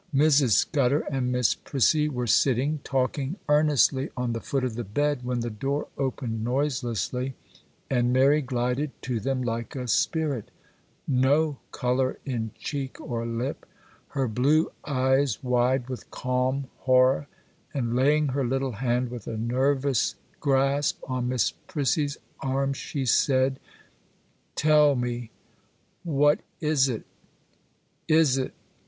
Mrs. Scudder and Miss Prissy were sitting, talking earnestly, on the foot of the bed, when the door opened noiselessly, and Mary glided to them like a spirit,—no colour in cheek or lip,—her blue eyes wide with calm horror; and laying her little hand, with a nervous grasp, on Miss Prissy's arm, she said,— 'Tell me,—what is it?—is it?